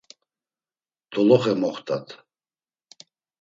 Doloxe moxtat.